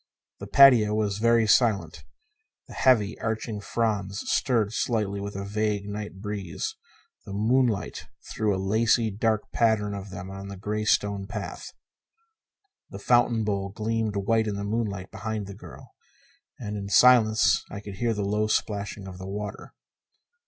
The patio was very silent. The heavy arching fronds stirred slightly with a vague night breeze; the moonlight threw a lacy dark pattern of them on the gray stone path. The fountain bowl gleamed white in the moonlight behind the girl, and in the silence I could hear the low splashing of the water.